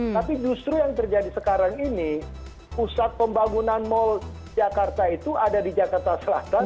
tapi justru yang terjadi sekarang ini pusat pembangunan mal jakarta itu ada di jakarta selatan